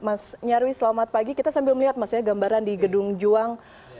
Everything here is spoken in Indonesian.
mas nyarwi selamat pagi kita sambil melihat mas ya gambaran di gedung juang